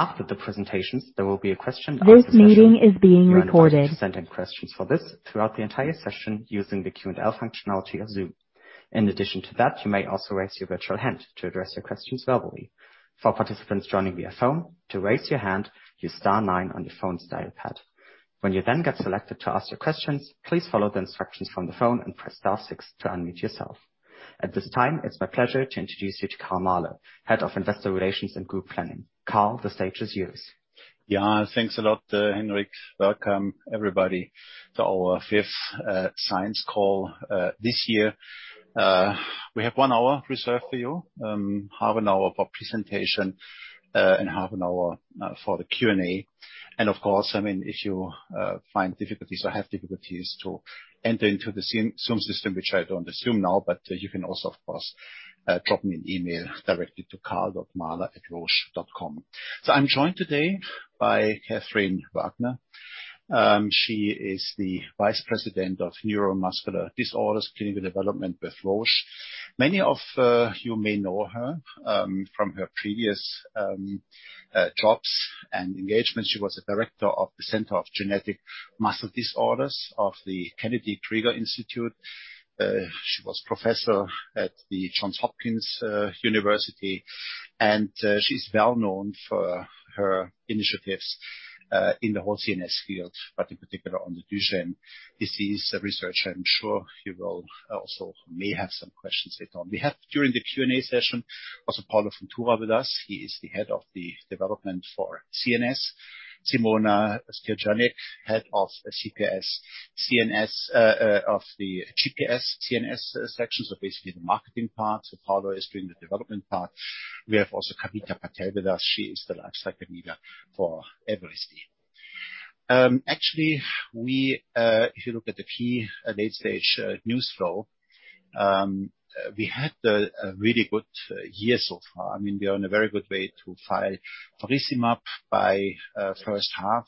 After the presentations, there will be a question and answer session. This meeting is being recorded. You are invited to send in questions for this throughout the entire session using the Q&A functionality of Zoom. In addition to that, you may also raise your virtual hand to address your questions verbally. For participants joining via phone, to raise your hand, use star 9 on your phone's dial pad. When you then get selected to ask your questions, please follow the instructions from the phone and press star 6 to unmute yourself. At this time, it's my pleasure to introduce you to Karl Mahler, Head of Investor Relations and Group Planning. Karl, the stage is yours. Yeah. Thanks a lot, Henrik. Welcome everybody to our fifth science call this year. We have one hour reserved for you, half an hour for presentation and half an hour for the Q&A. Of course, if you find difficulties or have difficulties to enter into the Zoom system, which I don't assume now, you can also, of course, drop me an email directly to karl.mahler@roche.com. I'm joined today by Kathryn Wagner. She is the Vice President of Neuromuscular Disorders Clinical Development with Roche. Many of you may know her from her previous jobs and engagements. She was the director of the Center for Genetic Muscle Disorders of the Kennedy Krieger Institute. She was professor at Johns Hopkins University, and she's well-known for her initiatives in the whole CNS field, but in particular on the Duchenne disease research. I'm sure you will also may have some questions later on. We have during the Q&A session also Paulo Fontoura with us. He is the head of the development for CNS. Simona Skerjanec, head of the GPS CNS sections of basically the marketing part. Paulo is doing the development part. We have also Kavita Patel with us. She is the lifecycle lead for Evrysdi. Actually, if you look at the key late-stage news flow, we had a really good year so far. We're on a very good way to file faricimab by first half.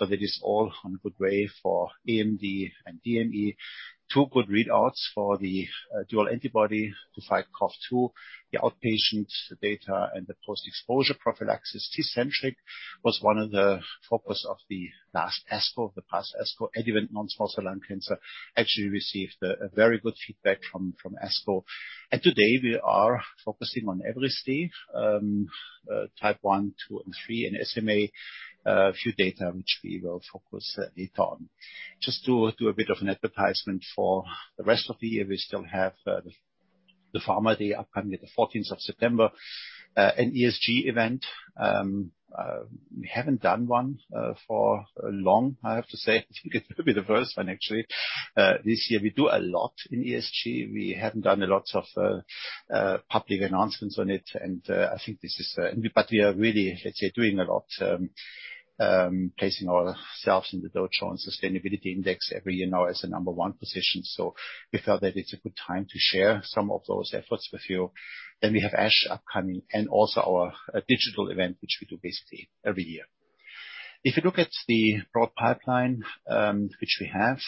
That is all on good way for BMD and DME. Two good readouts for the dual antibody to fight COV2, the outpatient data, and the post-exposure prophylaxis. Tecentriq was one of the focus of the past ASCO, adjuvant non-small cell lung cancer. Actually, we received a very good feedback from ASCO. Today we are focusing on Evrysdi type one, two, and three in SMA. A few data which we will focus later on. Just to do a bit of an advertisement for the rest of the year. We still have the Pharma Day upcoming, the 14th of September, an ESG event. We haven't done one for long, I have to say. It'll be the first one actually. This year we do a lot in ESG. We haven't done a lot of public announcements on it. We are really doing a lot, placing ourselves in the Dow Jones Sustainability Index every year now as the number one position. We felt that it's a good time to share some of those efforts with you. We have ASH upcoming and also our digital event, which we do basically every year. If you look at the broad pipeline which we have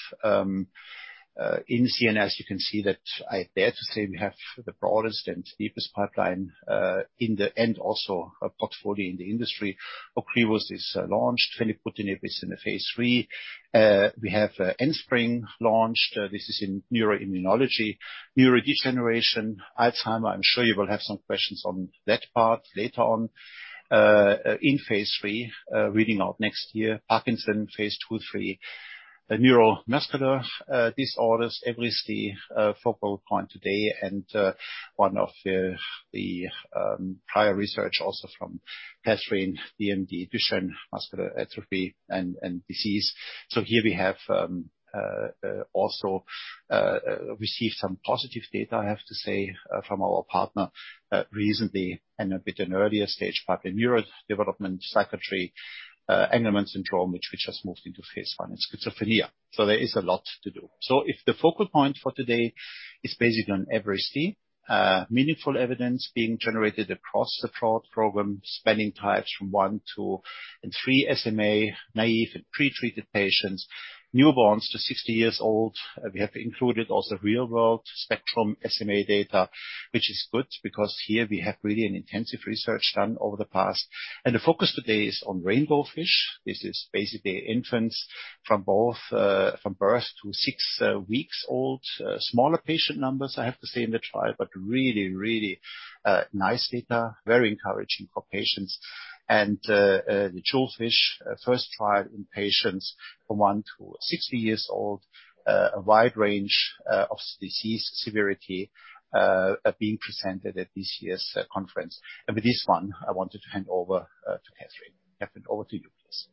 in CNS, you can see that I dare to say we have the broadest and deepest pipeline and also a portfolio in the industry. Ocrevus is launched. Ponesimod is in phase III. We have Enspryng launched. This is in neuroimmunology. Neurodegeneration, Alzheimer, I am sure you will have some questions on that part later on. In phase III, reading out next year, Parkinson phase II, III. Neuromuscular disorders, Evrysdi, focal point today, and one of the prior research also from Kathryn, BMD, Duchenne muscular dystrophy and disease. Here we have also received some positive data, I have to say, from our partner recently and a bit an earlier stage, bipolar neurodevelopment, psychiatry, Angelman syndrome, which has moved into phase I, and schizophrenia. There is a lot to do. If the focal point for today is basically on Evrysdi, meaningful evidence being generated across the broad program, spanning types from one, two, and three SMA, naive and pre-treated patients, newborns to 60 years old. We have included also real-world spectrum SMA data, which is good because here we have really an intensive research done over the past. The focus today is on RAINBOWFISH. This is basically infants from birth to six weeks old. Smaller patient numbers, I have to say, in the trial, really nice data. Very encouraging for patients. The JEWELFISH, first trial in patients from 1 to 60 years old, a wide range of disease severity being presented at this year's conference. With this one, I wanted to hand over to Kathryn. Kathryn, over to you, please.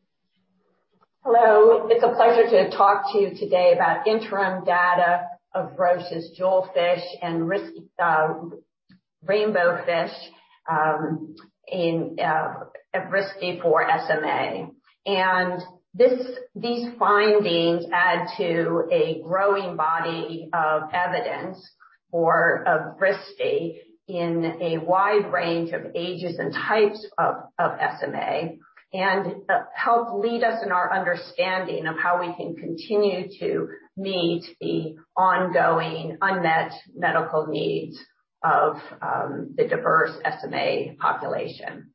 Hello. It's a pleasure to talk to you today about interim data of Roche's JEWELFISH and RAINBOWFISH in Risdi for SMA. These findings add to a growing body of evidence for Evrysdi in a wide range of ages and types of SMA and help lead us in our understanding of how we can continue to meet the ongoing unmet medical needs of the diverse SMA population.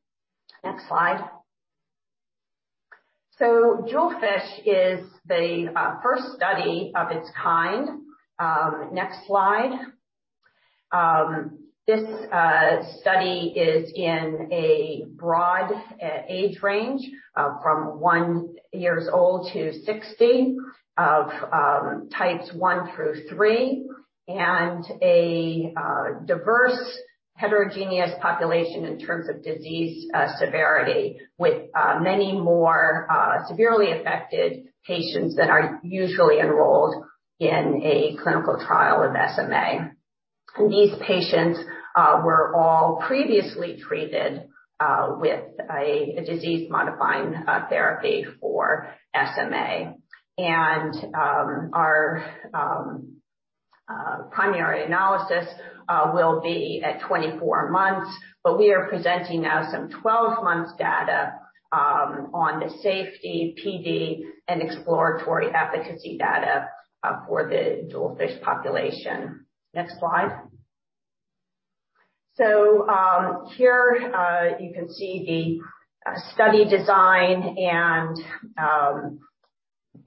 Next slide. JEWELFISH is the first study of its time. Next slide. This study is in a broad age range from 1 year old to 60 of types 1 through 3, and a diverse heterogeneous population in terms of disease severity, with many more severely affected patients that are usually enrolled in a clinical trial of SMA. These patients were all previously treated with a disease-modifying therapy for SMA. Our primary analysis will be at 24 months, but we are presenting now some 12 months data on the safety, PD, and exploratory efficacy data for the JEWELFISH population. Next slide. Here you can see the study design,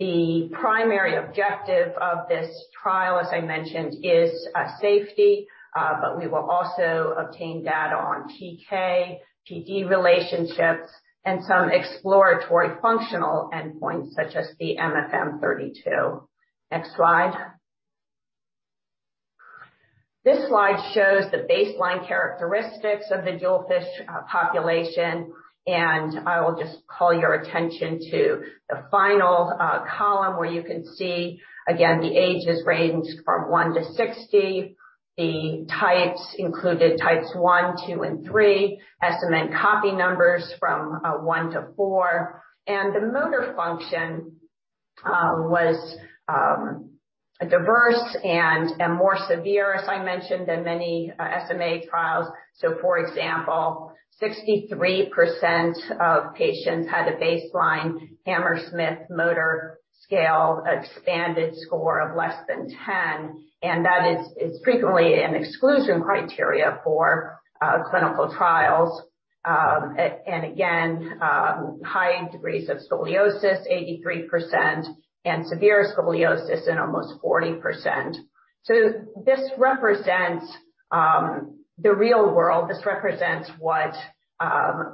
the primary objective of this trial, as I mentioned, is safety, but we will also obtain data on PK/PD relationships and some exploratory functional endpoints such as the MFM32. Next slide. This slide shows the baseline characteristics of the JEWELFISH population, and I will just call your attention to the final column where you can see again the ages range from 1 to 60. The types included types one, two, and three, SMN copy numbers from one to four. The motor function was diverse and more severe, as I mentioned, than many SMA trials. For example, 63% of patients had a baseline Hammersmith Functional Motor Scale Expanded score of less than 10, and that is frequently an exclusion criteria for clinical trials. Again, high degrees of scoliosis, 83%, and severe scoliosis in almost 40%. This represents the real world. This represents what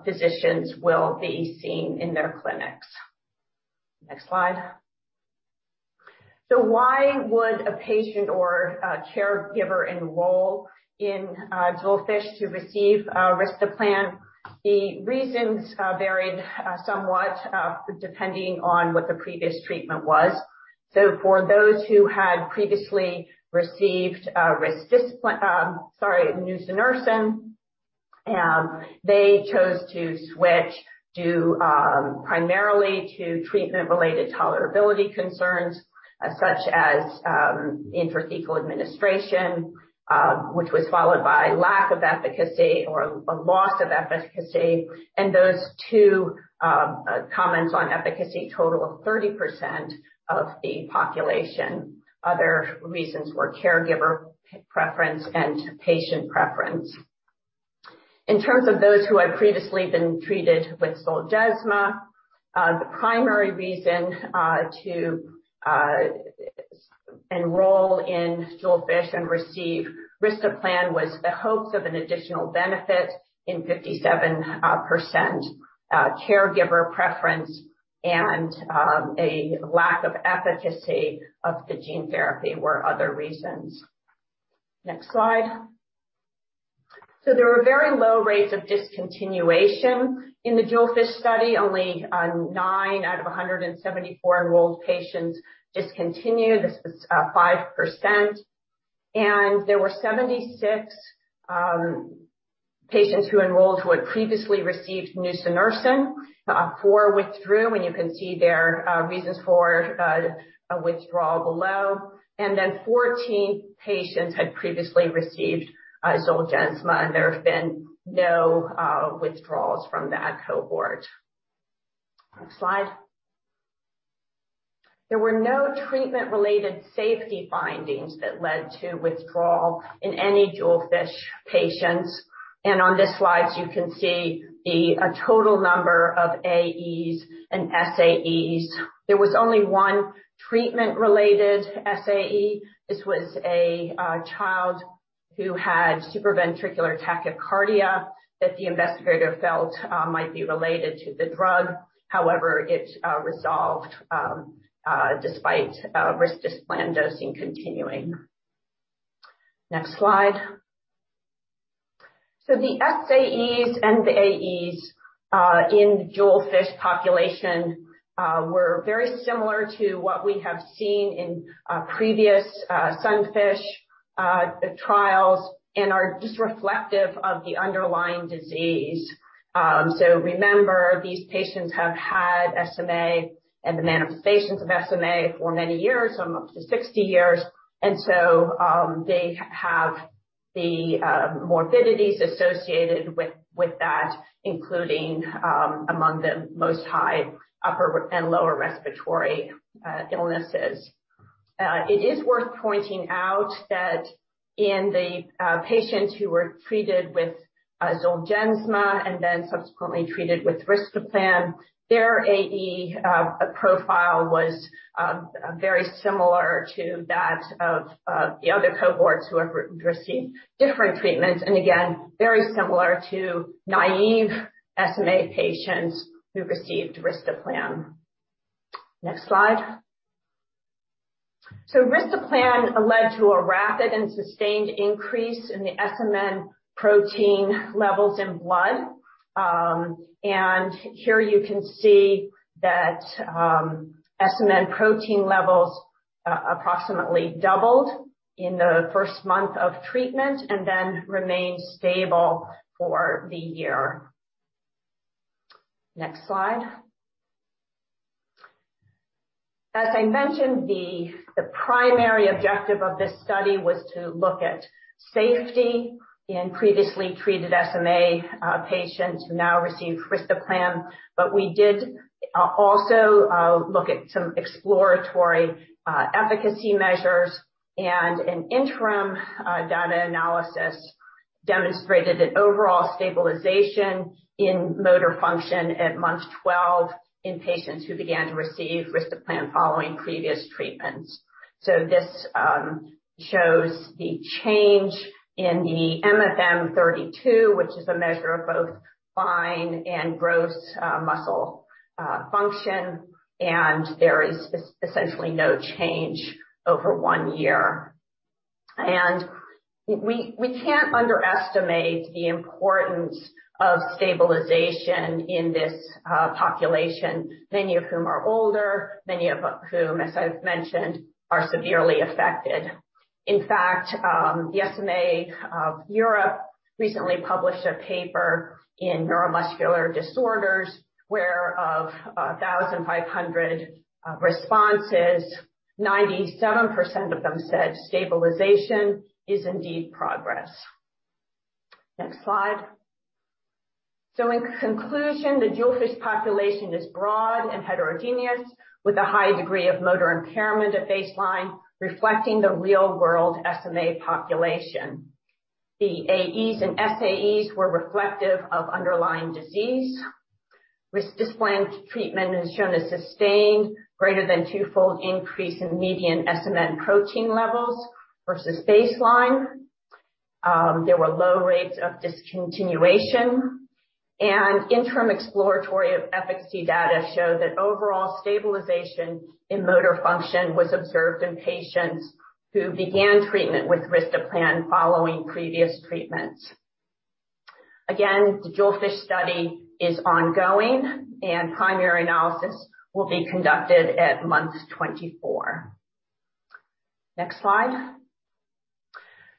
physicians will be seeing in their clinics. Next slide. Why would a patient or a caregiver enroll in JEWELFISH to receive risdiplam? The reasons varied somewhat depending on what the previous treatment was. For those who had previously received risdiplam-- sorry, nusinersen, they chose to switch primarily due to treatment-related tolerability concerns such as intrathecal administration, which was followed by lack of efficacy or a loss of efficacy, and those two comments on efficacy total of 30% of the population. Other reasons were caregiver preference and patient preference. In terms of those who had previously been treated with ZOLGENSMA, the primary reason to enroll in JEWELFISH and receive risdiplam was the hopes of an additional benefit in 57%, caregiver preference, and a lack of efficacy of the gene therapy were other reasons. Next slide. There are very low rates of discontinuation. In the JEWELFISH study, only 9 out of 174 enrolled patients discontinued. This is 5%. There were 76 patients who enrolled who had previously received nusinersen. 4 withdrew, and you can see their reasons for withdrawal below. 14 patients had previously received ZOLGENSMA, and there have been no withdrawals from that cohort. Next slide. There were no treatment-related safety findings that led to withdrawal in any JEWELFISH patients. On this slide, you can see the total number of AEs and SAEs. There was only 1 treatment-related SAE. This was a child who had supraventricular tachycardia that the investigator felt might be related to the drug. However, it resolved despite risdiplam dosing continuing. Next slide. The SAEs and the AEs in the JEWELFISH population were very similar to what we have seen in previous SUNFISH trials and are just reflective of the underlying disease. Remember, these patients have had SMA and the manifestations of SMA for many years, some up to 60 years. They have the morbidities associated with that, including among the most high upper and lower respiratory illnesses. It is worth pointing out that in the patients who were treated with ZOLGENSMA and then subsequently treated with risdiplam, their AE profile was very similar to that of the other cohorts who have received different treatments, and again, very similar to naive SMA patients who received risdiplam. Next slide. Risdiplam led to a rapid and sustained increase in the SMN protein levels in blood. Here you can see that SMN protein levels approximately doubled in the first month of treatment and then remained stable for the year. Next slide. As I mentioned, the primary objective of this study was to look at safety in previously treated SMA patients who now receive Risdiplam, but we did also look at some exploratory efficacy measures, and an interim data analysis demonstrated an overall stabilization in motor function at month 12 in patients who began to receive Risdiplam following previous treatments. This shows the change in the MFM32, which is a measure of both fine and gross muscle function, and there is essentially no change over 1 year. We can't underestimate the importance of stabilization in this population, many of whom are older, many of whom, as I've mentioned, are severely affected. In fact, SMA Europe recently published a paper in neuromuscular disorders where of 1,500 responses, 97% of them said stabilization is indeed progress. Next slide. In conclusion, the JEWELFISH population is broad and heterogeneous with a high degree of motor impairment at baseline, reflecting the real world SMA population. The AEs and SAEs were reflective of underlying disease. Risdiplam treatment has shown a sustained greater than twofold increase in median SMN protein levels versus baseline. There were low rates of discontinuation, and interim exploratory efficacy data showed that overall stabilization in motor function was observed in patients who began treatment with risdiplam following previous treatments. Again, the JEWELFISH study is ongoing, and primary analysis will be conducted at month 24. Next slide.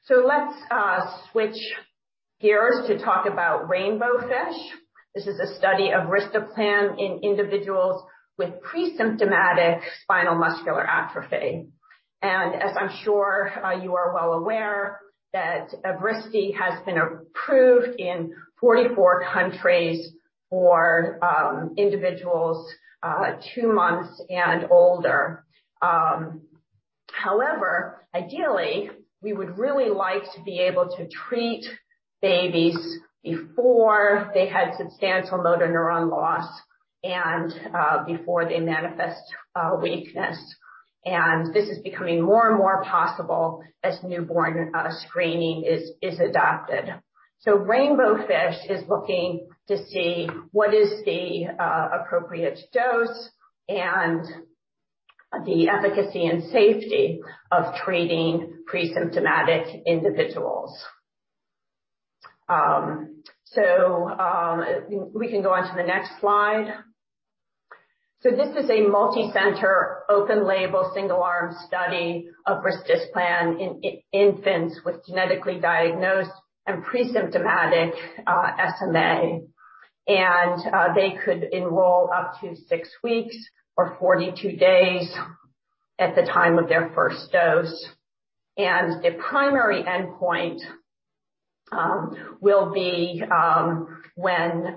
Let's switch gears to talk about RAINBOWFISH. This is a study of risdiplam in individuals with presymptomatic spinal muscular atrophy. As I'm sure you are well aware that Risdi has been approved in 44 countries for individuals 2 months and older. However, ideally, we would really like to be able to treat babies before they had substantial motor neuron loss and before they manifest weakness. This is becoming more and more possible as newborn screening is adopted. RAINBOWFISH is looking to see what is the appropriate dose and the efficacy and safety of treating presymptomatic individuals. We can go on to the next slide. This is a multicenter, open label, single arm study of risdiplam in infants with genetically diagnosed and presymptomatic SMA. They could enroll up to six weeks or 42 days at the time of their first dose. The primary endpoint will be when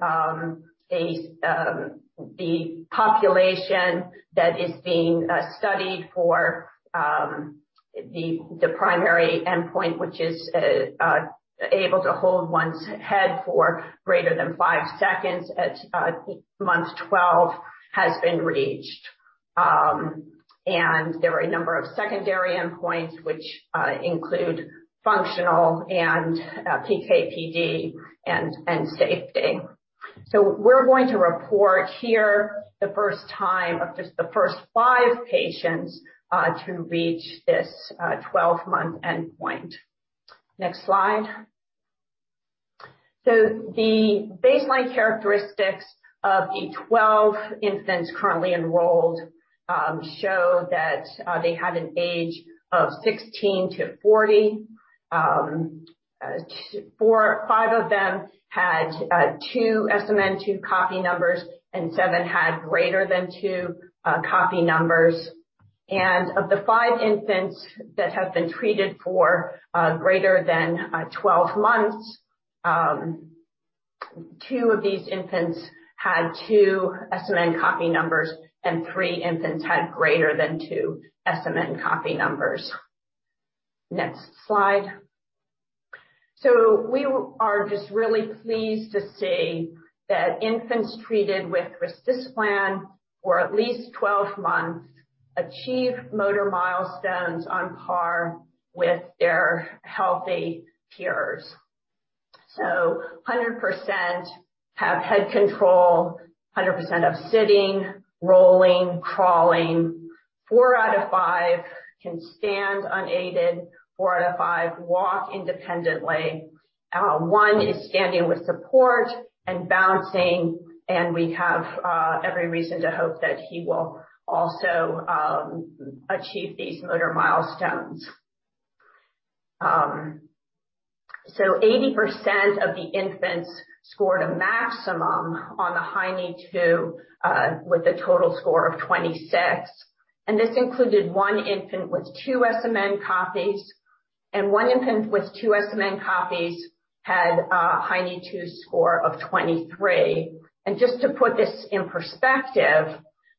the population that is being studied for the primary endpoint, which is able to hold one's head for greater than five seconds at month 12, has been reached. There are a number of secondary endpoints which include functional and PK/PD and safety. We're going to report here the first time of just the first five patients to reach this 12-month endpoint. Next slide. The baseline characteristics of the 12 infants currently enrolled show that they had an age of 16 to 40. Five of them had two SMN2 copy numbers, and seven had greater than two copy numbers. Of the five infants that have been treated for greater than 12 months. Two of these infants had two SMN copy numbers, and three infants had greater than two SMN copy numbers. Next slide. We are just really pleased to see that infants treated with risdiplam for at least 12 months achieve motor milestones on par with their healthy peers. 100% have head control, 100% of sitting, rolling, crawling. four out of five can stand unaided. four out of five walk independently. One is standing with support and bouncing, and we have every reason to hope that he will also achieve these motor milestones. 80% of the infants scored a maximum on a HINE-2 with a total score of 26, and this included 1 infant with two SMN copies, and one infant with two SMN copies had a HINE-2 score of 23. Just to put this in perspective,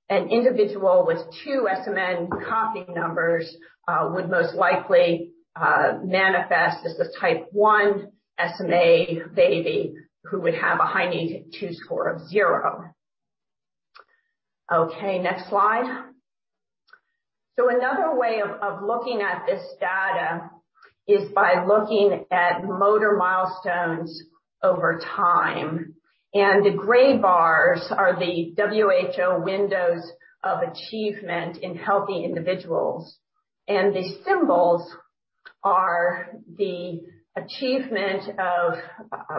an individual with two SMN copy numbers would most likely manifest as a type 1 SMA baby who would have a HINE-2 score of zero. Okay, next slide. Another way of looking at this data is by looking at motor milestones over time, and the gray bars are the WHO windows of achievement in healthy individuals. The symbols are the achievement of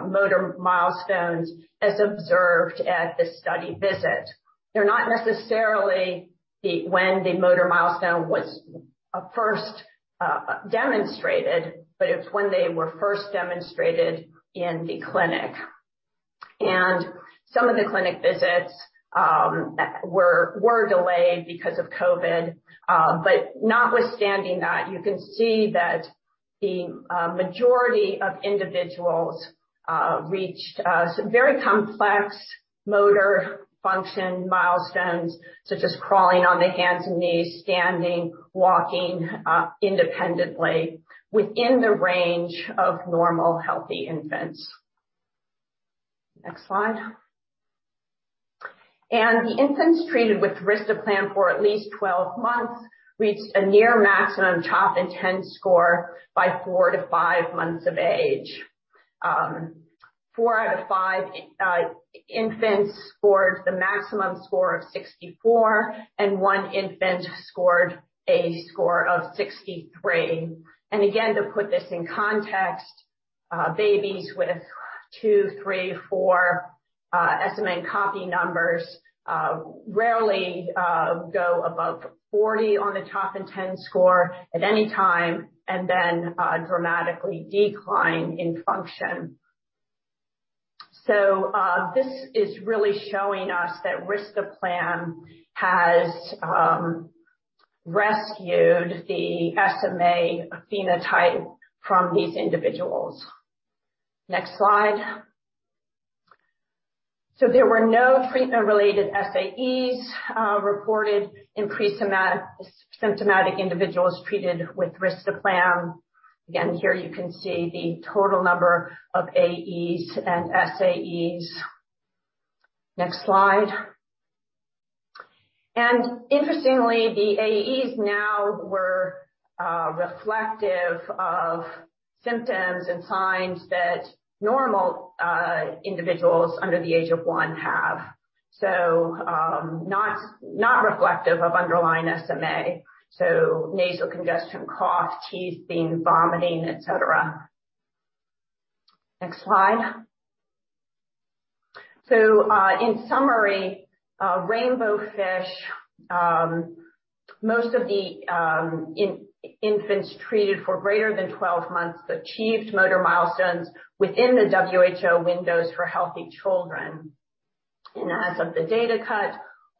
motor milestones as observed at the study visit. They're not necessarily when the motor milestone was first demonstrated, but it's when they were first demonstrated in the clinic. Some of the clinic visits were delayed because of COVID. Notwithstanding that, you can see that the majority of individuals reached some very complex motor function milestones, such as crawling on their hands and knees, standing, walking independently within the range of normal healthy infants. Next slide. The infants treated with risdiplam for at least 12 months reached a near maximum CHOP INTEND score by four to five months of age. Four out of five infants scored the maximum score of 64, and one infant scored a score of 63. Again, to put this in context, babies with two, three, four SMN copy numbers rarely go above 40 on a CHOP INTEND score at any time and then dramatically decline in function. This is really showing us that risdiplam has rescued the SMA phenotype from these individuals. Next slide. There were no treatment related SAEs reported in pre-symptomatic individuals treated with risdiplam. Again, here you can see the total number of AEs and SAEs. Next slide. Interestingly, the AEs now were reflective of symptoms and signs that normal individuals under the age of one have. Not reflective of underlying SMA. Nasal congestion, cough, teething, vomiting, et cetera. Next slide. In summary, RAINBOWFISH, most of the infants treated for greater than 12 months achieved motor milestones within the WHO windows for healthy children. As of the data cut,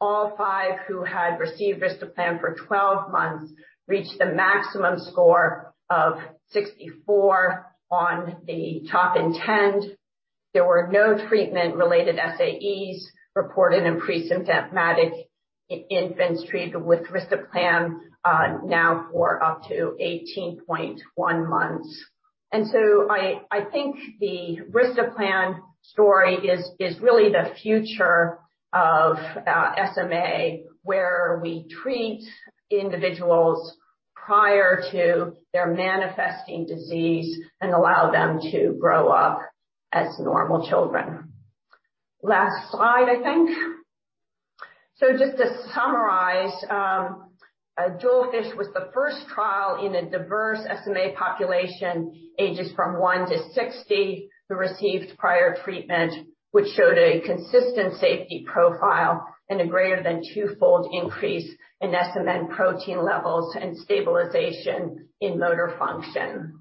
all 5 who had received risdiplam for 12 months reached a maximum score of 64 on the CHOP INTEND. There were no treatment related SAEs reported in pre-symptomatic infants treated with risdiplam now for up to 18.1 months. I think the risdiplam story is really the future of SMA, where we treat individuals prior to their manifesting disease and allow them to grow up as normal children. Last slide, I think. Just to summarize, JEWELFISH was the first trial in a diverse SMA population, ages from 1 to 60, who received prior treatment, which showed a consistent safety profile and a greater than 2-fold increase in SMN protein levels and stabilization in motor function.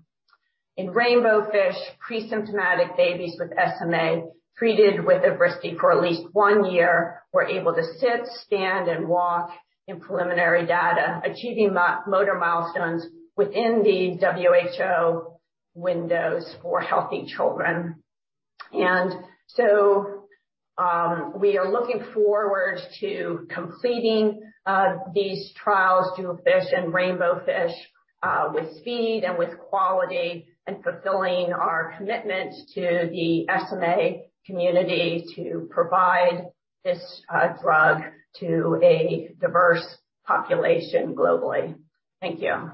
In RAINBOWFISH, pre-symptomatic babies with SMA treated with risdi for at least one year were able to sit, stand, and walk in preliminary data, achieving motor milestones within the WHO windows for healthy children. We are looking forward to completing these trials JEWELFISH and RAINBOWFISH with speed and with quality, and fulfilling our commitment to the SMA community to provide this drug to a diverse population globally. Thank you.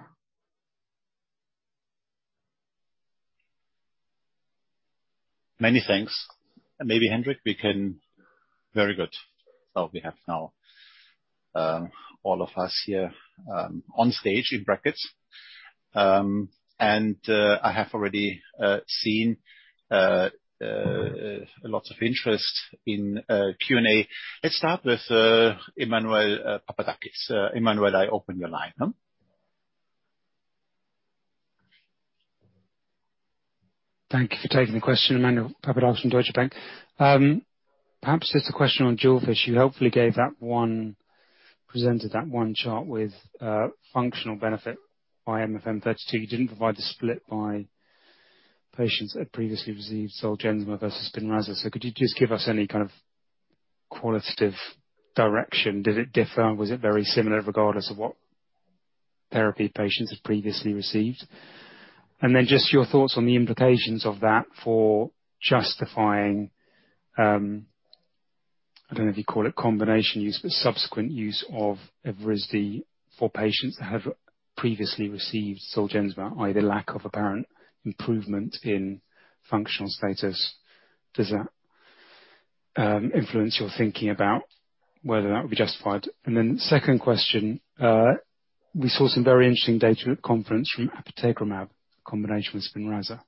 Many thanks. Very good. We have now all of us here on stage in brackets. I have already seen a lot of interest in Q&A. Let's start with Emmanuel Papadakis. Emmanuel, I open the line. Thank you for taking the question. Emmanuel Papadakis from Deutsche Bank. Perhaps just a question on JEWELFISH. You hopefully presented that one chart with functional benefit by MFM32. You didn't provide the split by patients that previously received ZOLGENSMA versus SPINRAZA. Could you just give us any kind of qualitative direction? Did it differ? Was it very similar regardless of what therapy patients had previously received? Just your thoughts on the implications of that for justifying, I don't know if you'd call it combination use, but subsequent use of Evrysdi for patients that have previously received ZOLGENSMA, either lack of apparent improvement in functional status. Does that influence your thinking about whether that would be justified? Second question, we saw some very interesting data at conference from apitegromab combination with SPINRAZA.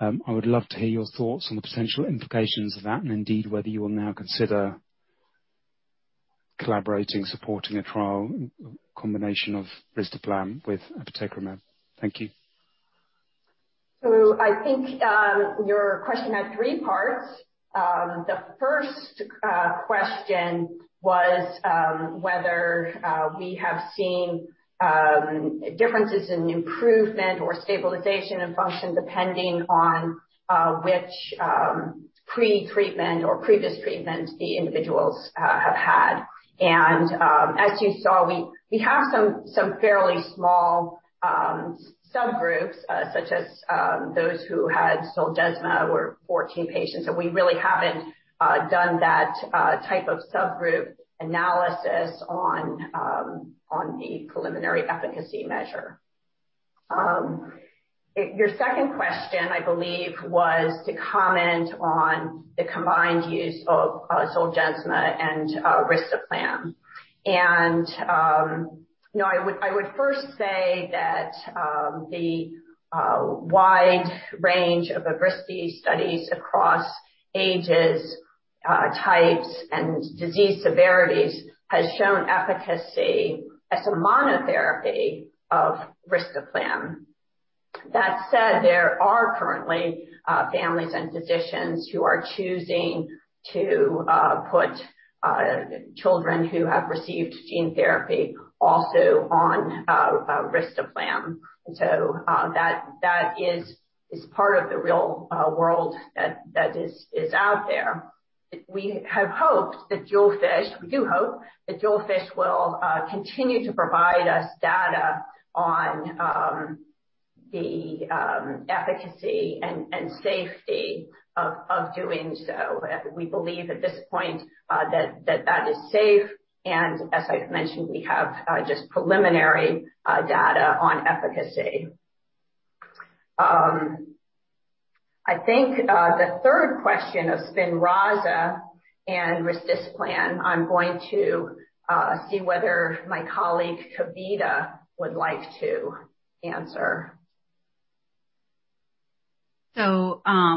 I would love to hear your thoughts on the potential implications of that, and indeed, whether you will now consider collaborating, supporting a trial combination of risdiplam with apitegromab. Thank you. I think your question had three parts. The first question was whether we have seen differences in improvement or stabilization in function depending on which pre-treatment or previous treatment the individuals have had. As you saw, we have some fairly small subgroups, such as those who had Zolgensma were 14 patients, and we really haven't done that type of subgroup analysis on the preliminary efficacy measure. Your second question, I believe, was to comment on the combined use of Zolgensma and risdiplam. I would first say that the wide range of Evrysdi studies across ages, types, and disease severities has shown efficacy as a monotherapy of risdiplam. That said, there are currently families and physicians who are choosing to put children who have received gene therapy also on risdiplam. That is part of the real world that is out there. We do hope that JEWELFISH will continue to provide us data on the efficacy and safety of doing so. We believe at this point that is safe, and as I mentioned, we have just preliminary data on efficacy. I think the third question of SPINRAZA and risdiplam, I am going to see whether my colleague, Kavita, would like to answer.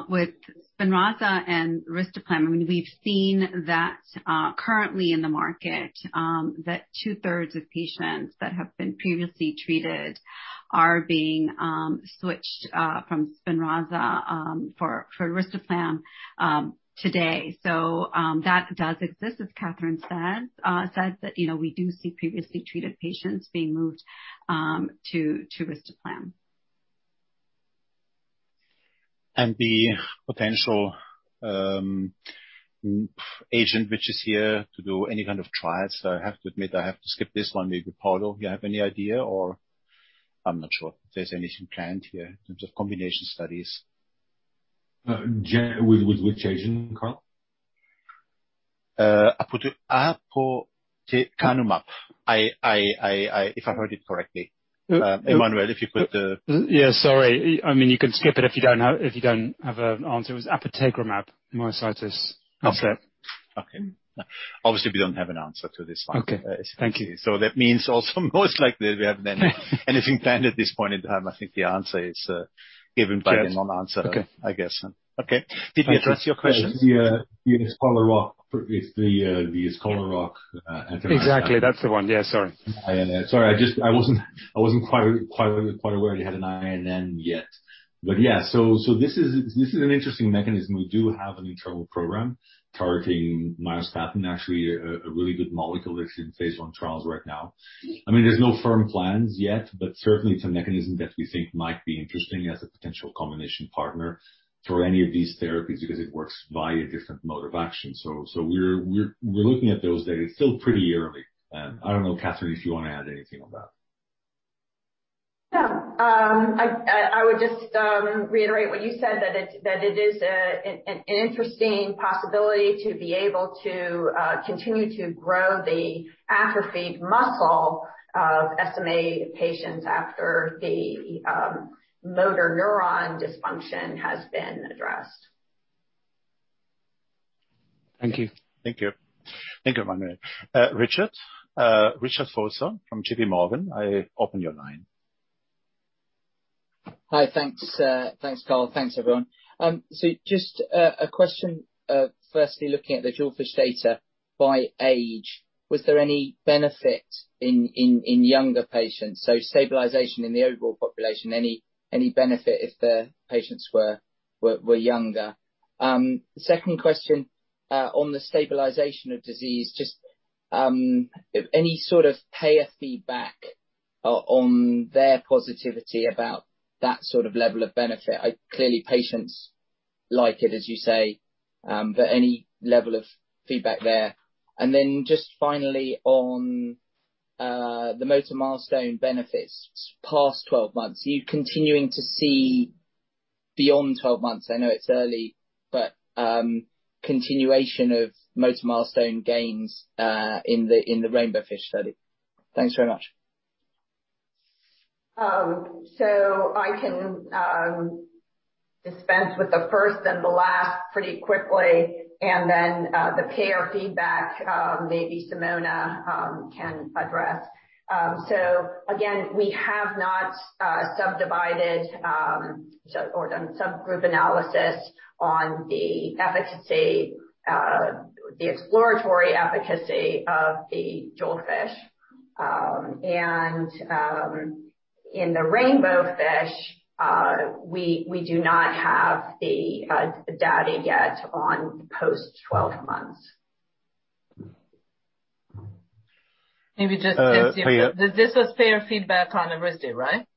With SPINRAZA and risdiplam, we've seen that currently in the market that 2/3 of patients that have been previously treated are being switched from SPINRAZA for risdiplam today. That does exist, as Kathryn Wagner said, that we do see previously treated patients being moved to risdiplam. The potential agent which is here to do any kind of trial. I have to admit, I have to skip this one. Maybe, Paulo, you have any idea or I'm not sure if there's anything planned here in terms of combination studies. With which agent? gantenerumab, if I heard it correctly. Emmanuel, if you put. Yeah, sorry. You can skip it if you don't have an answer. It was apitegromab, myostatin. Okay. Obviously, we don't have an answer to this one. Okay. Thank you. That means also most likely we have many anything planned at this point in time. I think the answer is given by the non-answer. Okay. I guess. Okay. Did you want to ask your question? It's the Scholar Rock enteropathy. Exactly. That's the one. Yeah, sorry. Sorry, I wasn't quite aware it had an INN yet. Yeah, this is an interesting mechanism. We do have an internal program targeting myostatin, actually a really good molecule that's in phase I trials right now. There's no firm plans yet, but certainly it's a mechanism that we think might be interesting as a potential combination partner for any of these therapies because it works via a different mode of action. We're looking at those data. It's still pretty early. I don't know, Kathryn, if you want to add anything on that. I would just reiterate what you said, that it is an interesting possibility to be able to continue to grow the atrophied muscle of SMA patients after the motor neuron dysfunction has been addressed. Thank you. Thank you. Thank you very much. Richard Vosser from J.P. Morgan, I open your line. Hi. Thanks, Karl. Thanks, everyone. Just a question, firstly, looking at the JEWELFISH data by age, was there any benefit in younger patients, so stabilization in the overall population, any benefit if the patients were younger? Second question, on the stabilization of disease, just any sort of payer feedback on their positivity about that sort of level of benefit? Clearly, patients like it, as you say, but any level of feedback there. Just finally on the motor milestone benefits past 12 months, are you continuing to see beyond 12 months, I know it's early, but continuation of motor milestone gains in the RAINBOWFISH study? Thanks very much. I can dispense with the first and the last pretty quickly, and then the payer feedback, maybe Simona can address. Again, we have not subdivided or done subgroup analysis on the exploratory efficacy of the JEWELFISH. In the RAINBOWFISH, we do not have the data yet on post 12 months. Oh, yeah. This is payer feedback on risdiplam, right?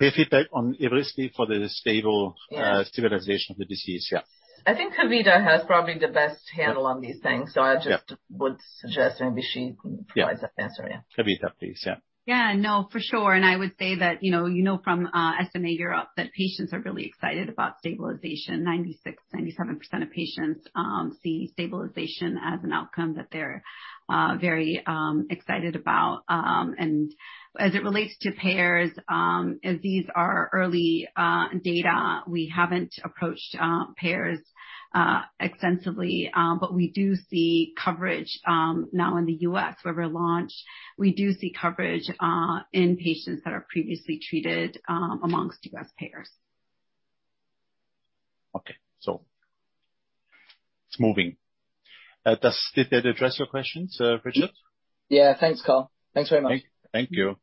Payer feedback on risdiplam for the stable- Yes. Stabilization of the disease. Yeah. I think Kavita has probably the best handle on these things, so I just would suggest maybe she can provide the answer. Yeah. Kavita, please. Yeah. Yeah, no, for sure. I would say that you know from SMA Europe that patients are really excited about stabilization. 96, 97% of patients see stabilization as an outcome that they're very excited about. As it relates to payers, as these are early data, we haven't approached payers extensively. We do see coverage now in the U.S. where we're launched. We do see coverage in patients that are previously treated amongst U.S. payers. Okay. Moving. Did that address your question, Richard? Yeah. Thanks, Karl. Thanks very much. Thank you.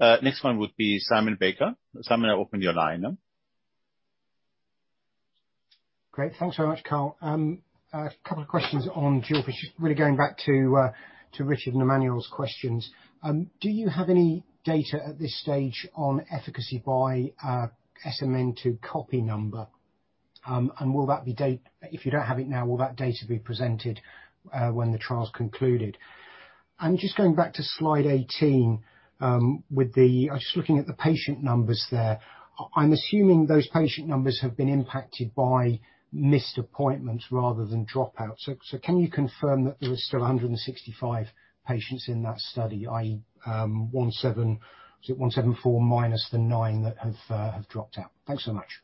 Next one would be Simon Baker. Simon, I open your line now. Great. Thanks so much, Karl. A couple questions on JEWELFISH, really going back to Richard Emmanuel's questions. Do you have any data at this stage on efficacy by SMN2 copy number? If you don't have it now, will that data be presented when the trial's concluded? Just going back to slide 18, I was looking at the patient numbers there. I'm assuming those patient numbers have been impacted by missed appointments rather than dropouts. Can you confirm that there are still 165 patients in that study, i.e. 174 minus the nine that have dropped out? Thanks so much.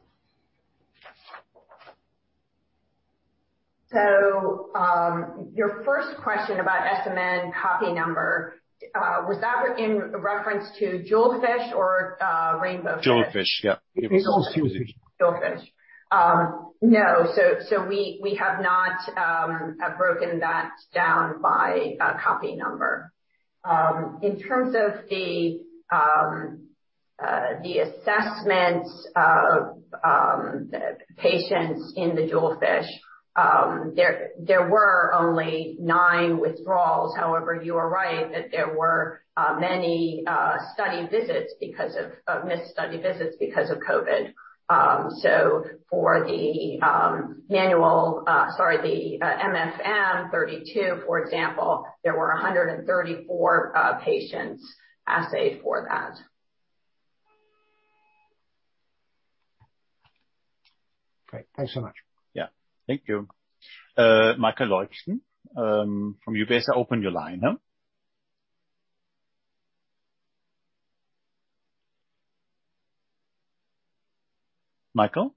Your first question about SMN copy number, was that in reference to JEWELFISH or RAINBOWFISH? JEWELFISH, yeah. JEWELFISH. JEWELFISH. No, we have not broken that down by copy number. In terms of the assessments of patients in the JEWELFISH, there were only nine withdrawals. However, you are right that there were many missed study visits because of COVID. For the MFM32, for example, there were 134 patients assayed for that. Great. Thanks so much. Yeah. Thank you. Michael Leuchten from UBS, I open your line. Michael?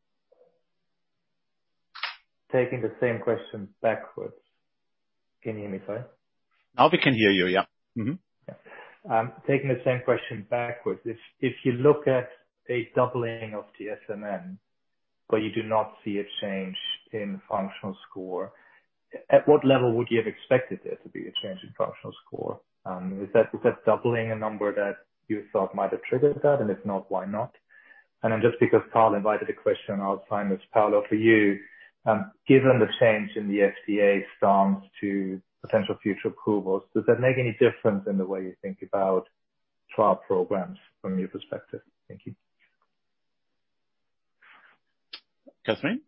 Taking the same question backwards. Can you hear me fine? Now we can hear you, yeah. Mm-hmm. Taking the same question backwards. If you look at a doubling of the SMN, but you do not see a change in functional score, at what level would you have expected there to be a change in functional score? Is that doubling a number that you thought might have triggered that? If not, why not? Just because Karl invited a question, I'll sign this, Karl, for you. Given the change in the FDA stance to potential future approvals, does that make any difference in the way you think about trial programs from your perspective? Thank you. Kathryn?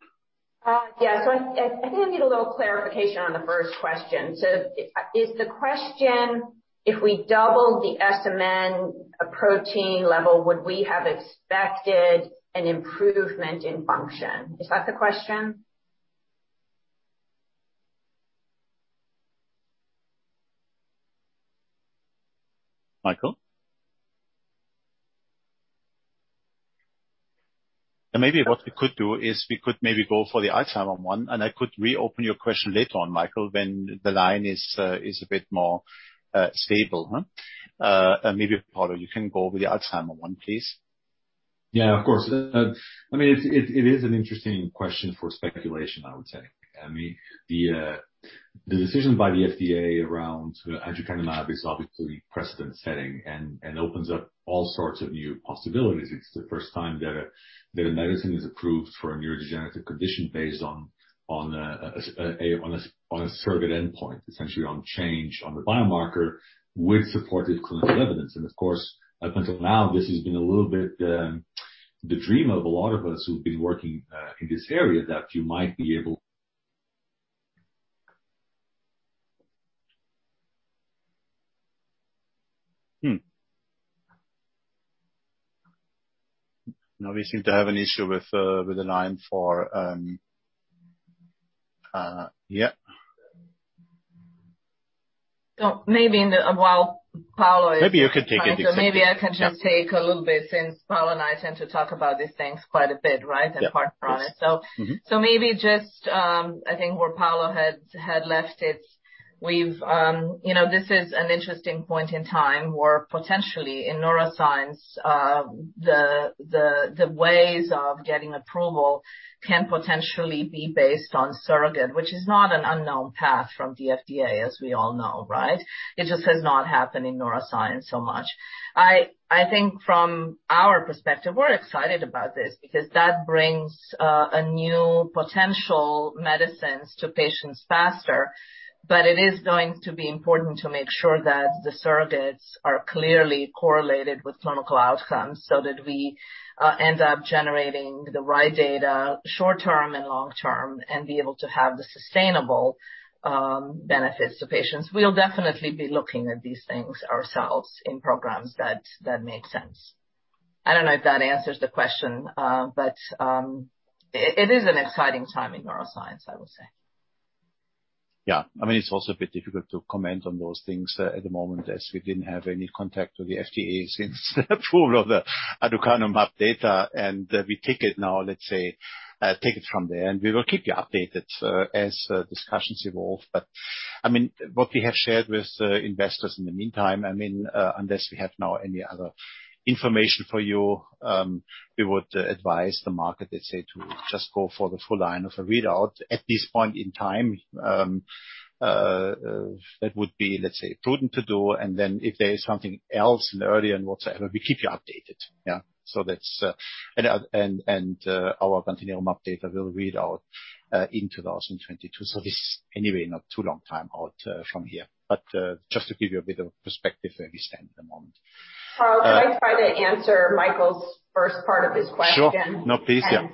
Yeah. I think I need a little clarification on the first question. Is the question, if we doubled the SMN protein level, would we have expected an improvement in function? Is that the question? Michael? Maybe what we could do is we could maybe go for the Alzheimer's one. I could reopen your question later on, Michael, when the line is a bit more stable. Maybe, Paulo, you can go with the Alzheimer's one, please. Yeah, of course. It is an interesting question for speculation, I would say. The decision by the FDA around aducanumab is obviously precedent-setting and opens up all sorts of new possibilities. It's the first time that a medicine is approved for a neurogenetic condition based on a surrogate endpoint, essentially on change on the biomarker with supportive clinical evidence. Of course, up until now, this has been a little bit the dream of a lot of us who've been working in this area, that you might be able We seem to have an issue with the line for Yeah. Maybe while Paulo is- Maybe you can take it. Maybe I can just take a little bit since Paulo and I tend to talk about these things quite a bit, right, as part of this. Yeah, of course. Maybe just, I think where Paulo had left it, this is an interesting point in time where potentially in neuroscience the ways of getting approval can potentially be based on surrogate, which is not an unknown path from the FDA, as we all know, right? It just has not happened in neuroscience so much. I think from our perspective, we're excited about this because that brings new potential medicines to patients faster. It is going to be important to make sure that the surrogates are clearly correlated with clinical outcomes so that we end up generating the right data short-term and long-term and be able to have the sustainable benefits to patients. We'll definitely be looking at these things ourselves in programs that make sense. I don't know if that answers the question, but it is an exciting time in neuroscience, I would say. Yeah. It's also a bit difficult to comment on those things at the moment as we didn't have any contact with the FDA since approval of the aducanumab data. We take it now, let's say, take it from there. We will keep you updated as discussions evolve. What we have shared with investors in the meantime, unless we have now any other information for you, we would advise the market, let's say, to just go for the full line of a readout. At this point in time, that would be, let's say, prudent to do. If there is something else in the early and whatever, we keep you updated. Yeah. Our continuum update, I will read out in 2022. This anyway, not too long time out from here. Just to give you a bit of perspective where we stand at the moment. Paulo, can I try to answer Michael's first part of his question? Sure. No, please. Yeah.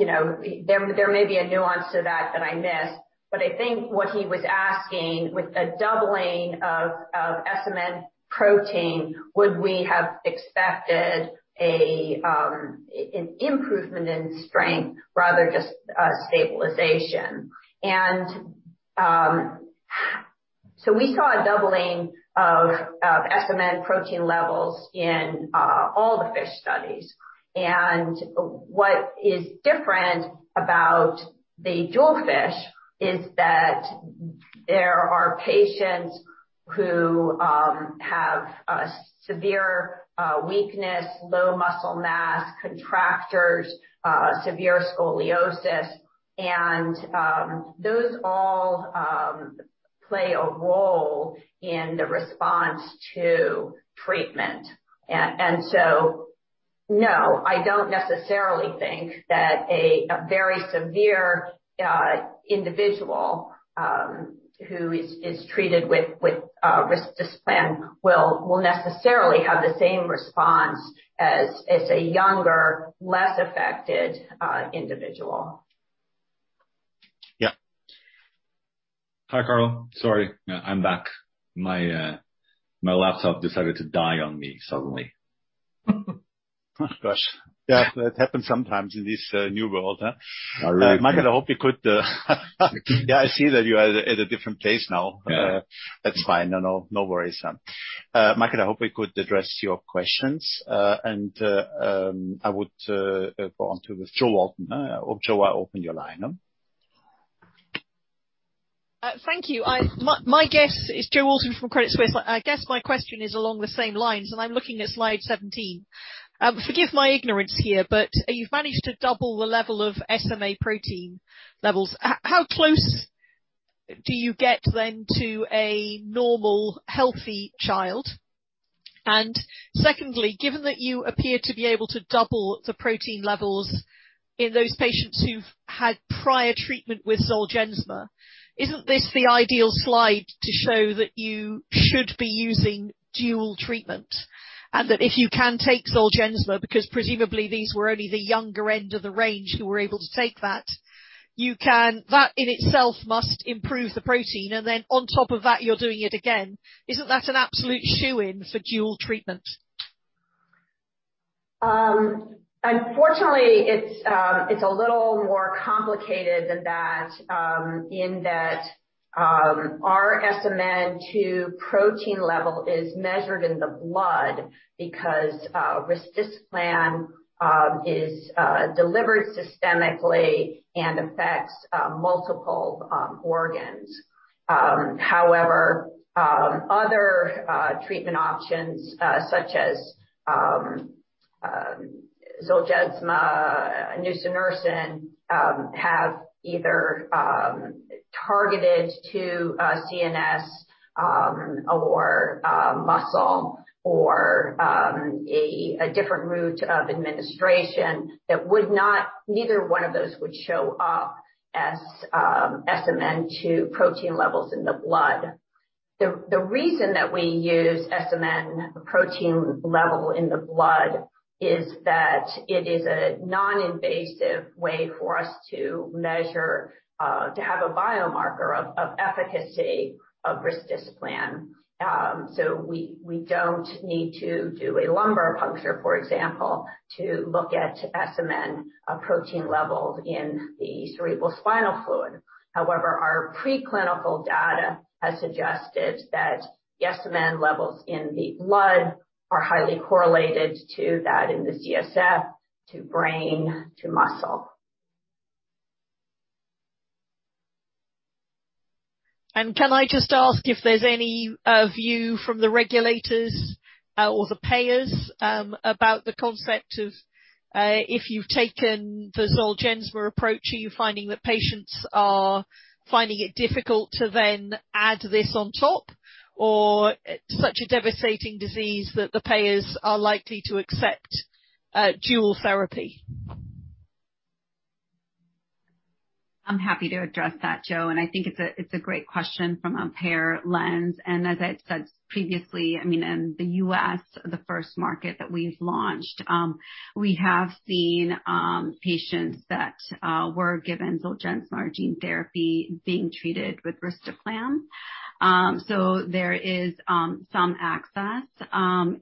There may be a nuance to that that I missed, I think what he was asking, with the doubling of SMN protein, would we have expected an improvement in strength rather than just stabilization. We saw a doubling of SMN protein levels in all the Fish studies. What is different about the Duchenne fish is that there are patients who have severe weakness, low muscle mass, contractures, severe scoliosis, and those all play a role in the response to treatment. No, I don't necessarily think that a very severe individual who is treated with risdiplam will necessarily have the same response as a younger, less affected individual. Yeah. Hi, Karl. Sorry, I'm back. My laptop decided to die on me suddenly. Gosh. Yeah, that happens sometimes in this new world, huh? I reckon. Michael, I hope you could Yeah, I see that you're at a different place now. Yeah. That's fine. No worries, man. Michael, I hope we could address your questions. I would go on to with Jo Walton. Joe, I open your line. Thank you. It's Jo Walton from Credit Suisse. I guess my question is along the same lines. I'm looking at slide 17. Forgive my ignorance here, but you've managed to double the level of SMA protein levels. How close do you get then to a normal, healthy child? Secondly, given that you appear to be able to double the protein levels in those patients who've had prior treatment with ZOLGENSMA, isn't this the ideal slide to show that you should be using dual treatment? If you can take ZOLGENSMA, because presumably these were only the younger end of the range who were able to take that in itself must improve the protein, then on top of that, you're doing it again. Isn't that an absolute shoo-in for dual treatment? Unfortunately, it's a little more complicated than that in that our SMN2 protein level is measured in the blood because risdiplam is delivered systemically and affects multiple organs. Other treatment options such as ZOLGENSMA and nusinersen have either targeted to CNS or muscle or a different route of administration that neither one of those would show up as SMN2 protein levels in the blood. The reason that we use SMN protein level in the blood is that it is a non-invasive way for us to measure, to have a biomarker of efficacy of risdiplam. We don't need to do a lumbar puncture, for example, to look at SMN protein levels in the cerebrospinal fluid. Our preclinical data has suggested that SMN levels in the blood are highly correlated to that in the CSF, to brain, to muscle. Can I just ask if there's any view from the regulators or the payers about the concept of if you've taken the Zolgensma approach, are you finding that patients are finding it difficult to then add this on top? Or such a devastating disease that the payers are likely to accept dual therapy? I'm happy to address that, Jo Walton, I think it's a great question from a payer lens. As I said previously, in the U.S., the first market that we've launched, we have seen patients that were given ZOLGENSMA gene therapy being treated with risdiplam. There is some access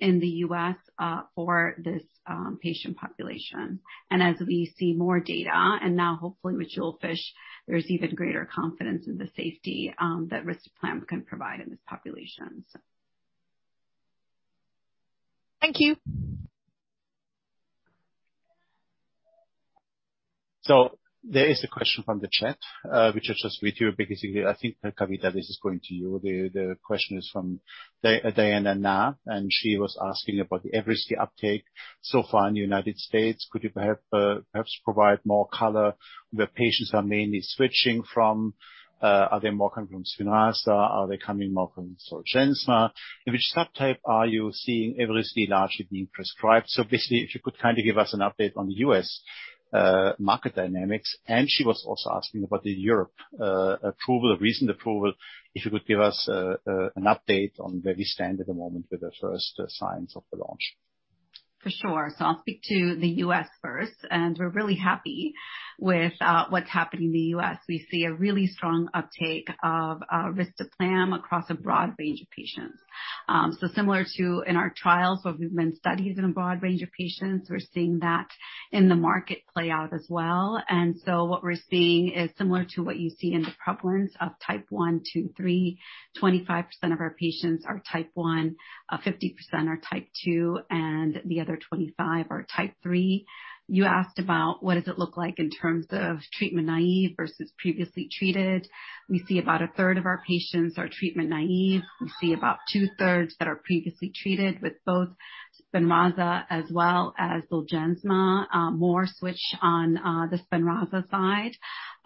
in the U.S. for this patient population. As we see more data and now hopefully with JEWELFISH, there's even greater confidence in the safety that risdiplam can provide in this population. Thank you. There is a question from the chat, which I'll just read to you because I think, Kavita, this is going to you. The question is from Diana Na, and she was asking about the Evrysdi uptake so far in the U.S. Could you perhaps provide more color where patients are mainly switching from? Are they more coming from SPINRAZA? Are they coming more from ZOLGENSMA? In which subtype are you seeing Evrysdi largely being prescribed? Basically, if you could give us an update on the U.S. market dynamics. She was also asking about the Europe approval, recent approval, if you could give us an update on where we stand at the moment with the first signs of the launch. For sure. I'll speak to the U.S. first, and we're really happy with what's happened in the U.S. We see a really strong uptake of risdiplam across a broad range of patients. Similar to in our trials, where we've been studying a broad range of patients, we're seeing that in the market play out as well. What we're seeing is similar to what you see in the prevalence of Type 1, two, three. 25% of our patients are Type 1, 50% are Type 2, and the other 25 are Type 3. You asked about what does it look like in terms of treatment-naive versus previously treated. We see about a third of our patients are treatment-naive. We see about two-thirds that are previously treated with both Spinraza as well as Zolgensma, more switched on the Spinraza side,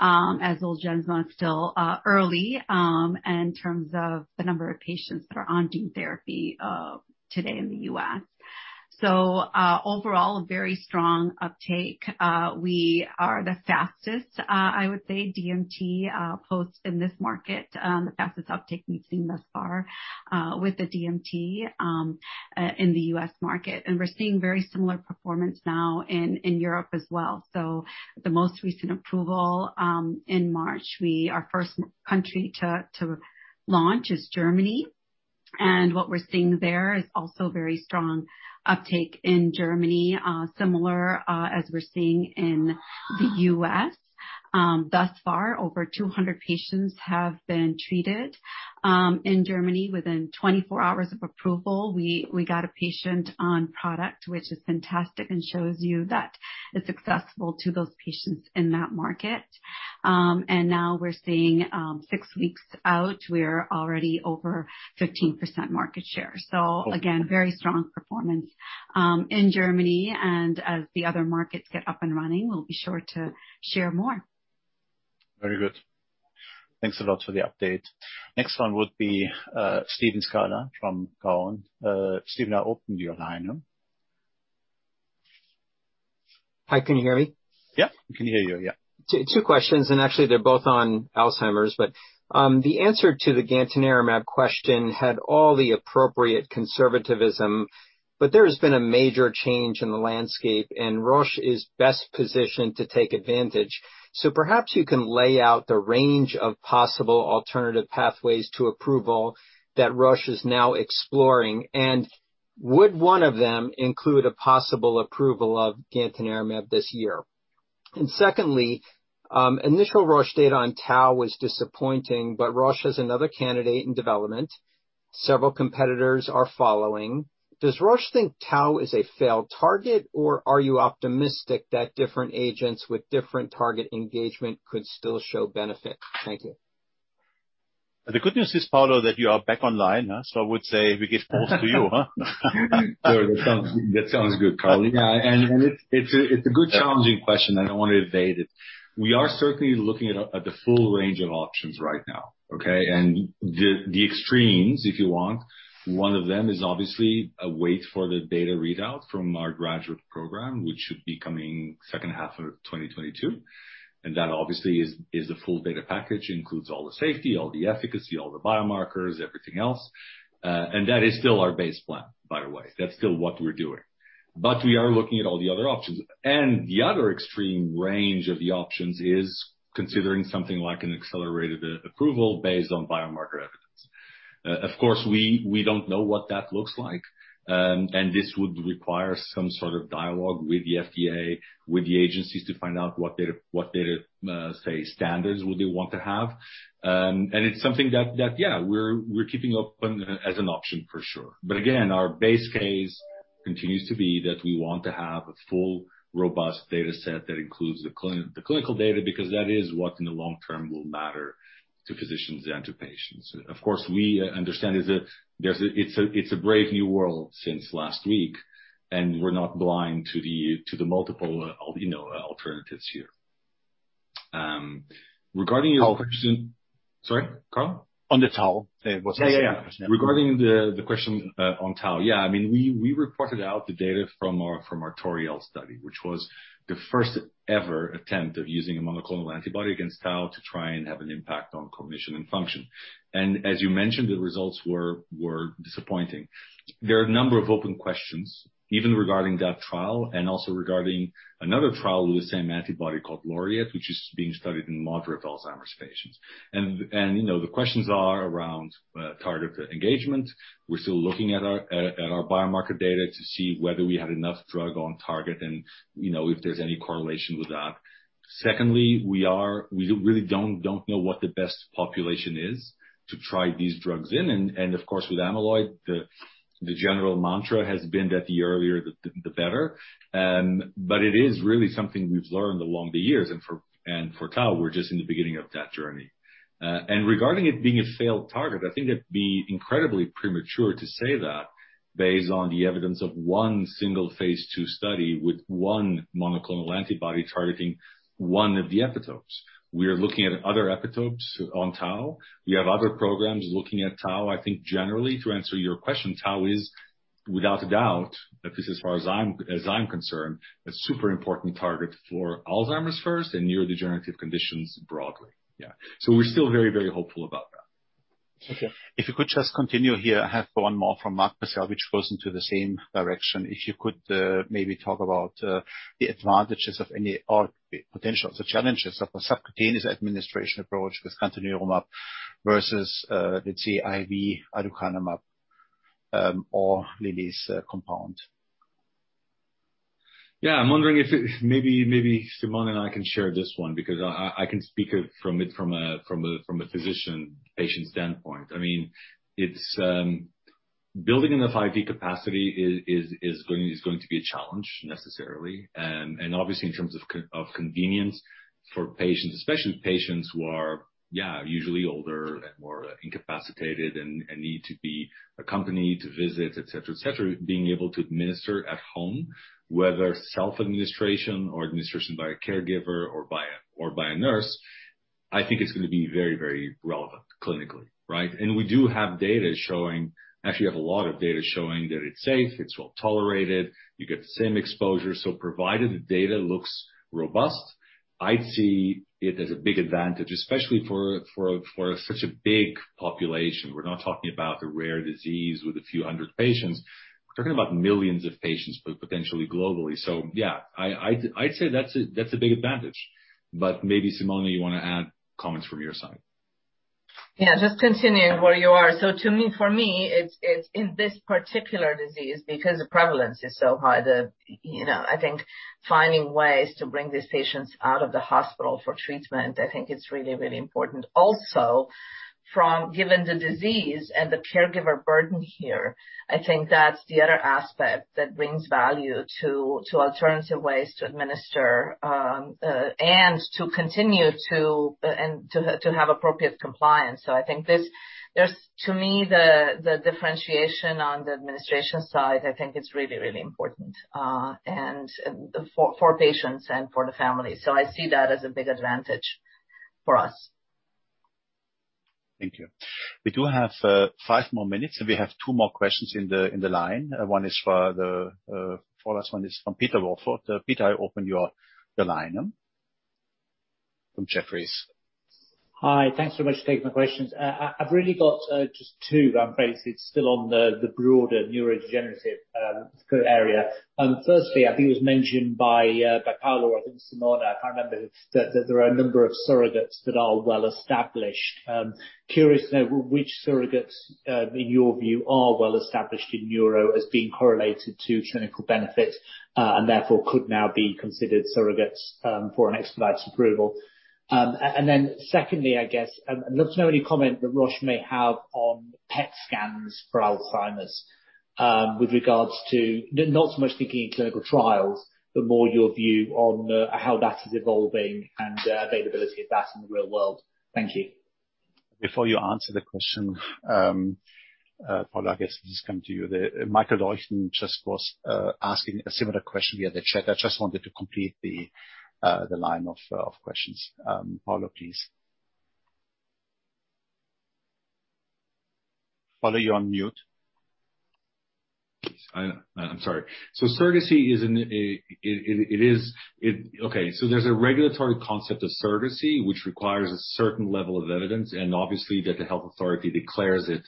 as Zolgensma is still early in terms of the number of patients that are on gene therapy today in the U.S. Overall, very strong uptake. We are the fastest, I would say, DMT folks in this market as the uptake we've seen thus far with the DMT in the U.S. market. We're seeing very similar performance now in Europe as well. The most recent approval in March, our first country to launch is Germany. What we're seeing there is also very strong uptake in Germany, similar as we're seeing in the U.S. Thus far, over 200 patients have been treated in Germany within 24 hours of approval. We got a patient on product, which is fantastic and shows you that it's accessible to those patients in that market. Now we're seeing six weeks out, we're already over 15% market share. Again, very strong performance in Germany, and as the other markets get up and running, we'll be sure to share more. Very good. Thanks a lot for the update. Next one would be Stephen Scala from Cowen. Stephen, I opened your line. Hi, can you hear me? Yeah. We can hear you, yeah. Two questions. Actually they're both on Alzheimer's. The answer to the gantenerumab question had all the appropriate conservativism, but there has been a major change in the landscape, and Roche is best positioned to take advantage. Perhaps you can lay out the range of possible alternative pathways to approval that Roche is now exploring, and would one of them include a possible approval of gantenerumab this year? Secondly, initial Roche data on tau was disappointing, but Roche has another candidate in development. Several competitors are following. Does Roche think tau is a failed target, or are you optimistic that different agents with different target engagement could still show benefit? Thank you. The good news is, Paulo, that you are back online. I would say we give points to you, huh? That sounds good, Karl. It's a good challenging question. I don't want to evade it. We are certainly looking at the full range of options right now, okay? The extremes, if you want, one of them is obviously a wait for the data readout from our GRADUATE program, which should be coming second half of 2022. That obviously is a full data package, includes all the safety, all the efficacy, all the biomarkers, everything else. That is still our base plan, by the way. That's still what we're doing. We are looking at all the other options. The other extreme range of the options is considering something like an accelerated approval based on biomarker evidence. Of course, we don't know what that looks like, and this would require some sort of dialogue with the FDA, with the agencies to find out what their, say, standards would they want to have. It's something that, yeah, we're keeping open as an option for sure. Again, our base case continues to be that we want to have a full, robust data set that includes the clinical data, because that is what in the long term will matter to physicians and to patients. Of course, we understand it's a brave new world since last week, and we're not blind to the multiple alternatives here. On the tau. Sorry? On the tau? Yeah. Regarding the question on tau. Yeah, we reported out the data from our TAURIEL study, which was the first-ever attempt of using a monoclonal antibody against tau to try and have an impact on cognition and function. As you mentioned, the results were disappointing. There are a number of open questions, even regarding that trial, and also regarding another trial with the same antibody called LAURIET, which is being studied in moderate Alzheimer's patients. The questions are around target engagement. We're still looking at our biomarker data to see whether we had enough drug on target and if there's any correlation with that. Secondly, we really don't know what the best population is to try these drugs in. Of course, with amyloid, the general mantra has been that the earlier, the better. It is really something we've learned along the years, and for tau, we're just in the beginning of that journey. Regarding it being a failed target, I think it'd be incredibly premature to say that based on the evidence of one single phase II study with one monoclonal antibody targeting one of the epitopes. We are looking at other epitopes on tau. We have other programs looking at tau. I think generally, to answer your question, tau is, without a doubt, at least as far as I'm concerned, a super important target for Alzheimer's first and neurodegenerative conditions broadly. Yeah. We're still very hopeful about that. Okay. If you could just continue here, I have 1 more from Marcus Selvig goes into the same direction. If you could maybe talk about the advantages of any potential challenges of a subcutaneous administration approach with gantenerumab versus the IV aducanumab or Lilly's compound? I'm wondering if maybe Simona and I can share this one because I can speak from a physician-patient standpoint. Building the 5G capacity is going to be a challenge necessarily, and obviously in terms of convenience for patients, especially patients who are usually older and more incapacitated and need to be accompanied to visit, et cetera. Being able to administer at home, whether it's self-administration or administration by a caregiver or by a nurse, I think it's going to be very relevant clinically, right? We do have data showing, actually a lot of data showing that it's safe, it's well-tolerated, you get the same exposure. Provided the data looks robust, I'd see it as a big advantage, especially for such a big population. We're not talking about the rare disease with a few 100 patients. We're talking about millions of patients, but potentially globally. Yeah, I'd say that's a big advantage. Maybe, Simona, you want to add comments from your side? Yeah, just continuing where you are. For me, in this particular disease, because the prevalence is so high that I think finding ways to bring these patients out of the hospital for treatment, I think is really important. Also, given the disease and the caregiver burden here, I think that's the other aspect that brings value to alternative ways to administer and to continue to have appropriate compliance. I think to me, the differentiation on the administration side, I think is really important for patients and for the family. I see that as a big advantage for us. Thank you. We do have 5 more minutes, and we have 2 more questions in the line. The first one is from Peter Welford. Peter, I open your line from Jefferies. Hi. Thanks very much for taking my questions. I've really got just two. I'm basically still on the broader neurodegenerative area. Firstly, I think it was mentioned by Paulo or Simona, I can't remember, that there are a number of surrogates that are well-established. I'm curious to know which surrogates, in your view, are well-established in neuro as being correlated to clinical benefit, and therefore could now be considered surrogates for an accelerated approval. Secondly, I'd love to know any comment that Roche may have on PET scans for Alzheimer's with regards to, not so much thinking clinical trials, but more your view on how that is evolving and the availability of that in the real world. Thank you. Before you answer the question, Paulo, I guess I'll just come to you. Michael Leuchten just was asking a similar question in the chat. I just wanted to complete the line of questions. Paulo, please. Paulo, you're on mute. I'm sorry. There's a regulatory concept of surrogacy, which requires a certain level of evidence, and obviously that the health authority declares it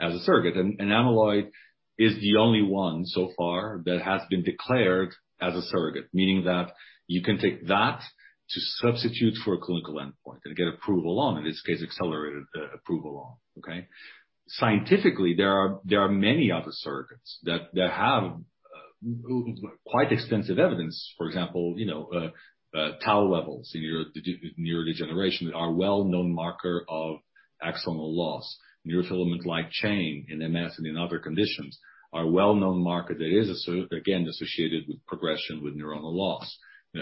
as a surrogate. Amyloid is the only one so far that has been declared as a surrogate, meaning that you can take that to substitute for a clinical endpoint and get approval on, in this case, accelerated approval on. Okay. Scientifically, there are many other surrogates that have quite extensive evidence. For example, tau levels in neurodegeneration are a well-known marker of axonal loss. Neurofilament light chain in MS and in other conditions are a well-known marker that is, again, associated with progression with neuronal loss.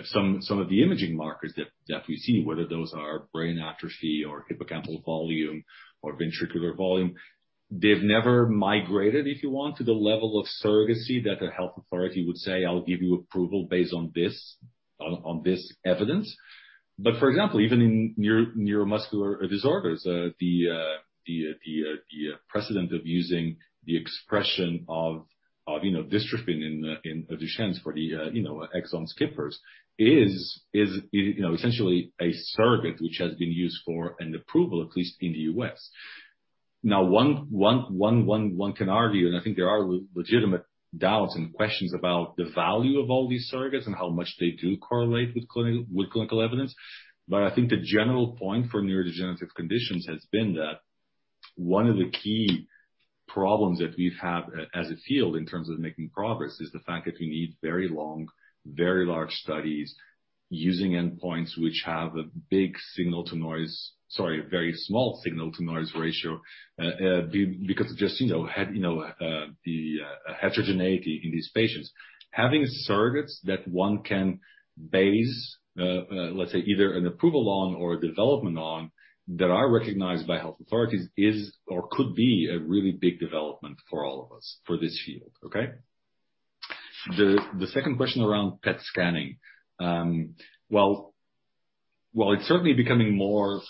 Some of the imaging markers that we see, whether those are brain atrophy or hippocampal volume or ventricular volume, they've never migrated, if you want, to the level of surrogacy that a health authority would say, "I'll give you approval based on this evidence." For example, even in neuromuscular disorders, the precedent of using the expression of dystrophin in Duchenne for the exon skipping is essentially a surrogate which has been used for an approval, at least in the U.S. Now, one can argue, and I think there are legitimate doubts and questions about the value of all these surrogates and how much they do correlate with clinical evidence. I think the general point for neurodegenerative conditions has been that one of the key problems that we've had as a field in terms of making progress is the fact that we need very long, very large studies using endpoints which have a very small signal-to-noise ratio because of just the heterogeneity in these patients. Having surrogates that one can base, let's say, either an approval on or a development on that are recognized by health authorities is or could be a really big development for all of us for this field. Okay. The second question around PET scanning. While it's certainly becoming more